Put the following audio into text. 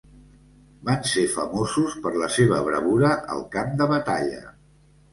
Van ser famosos per la seva bravura al camp de batalla.